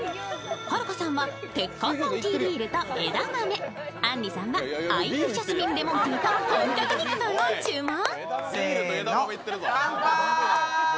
はるかさんは鉄観音ティービールと枝豆、あんりさんは愛玉ジャスミンレモンティーと本格肉まんを注文。